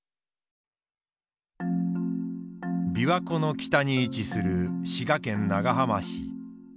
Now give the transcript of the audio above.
琵琶湖の北に位置する滋賀県長浜市。